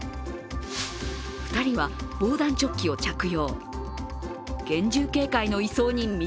２人は防弾チョッキを着用。